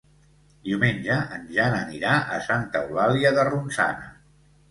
Diumenge en Jan anirà a Santa Eulàlia de Ronçana.